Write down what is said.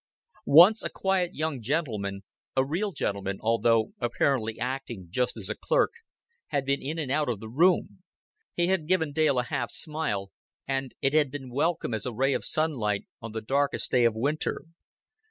Once a quiet young gentleman a real gentleman, although apparently acting just as a clerk had been in and out of the room. He had given Dale a half smile, and it had been welcome as a ray of sunlight on the darkest day of winter.